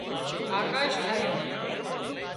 آڪاش ٺاهيون